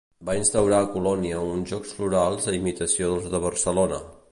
Va instaurar a Colònia uns Jocs Florals a imitació dels de Barcelona.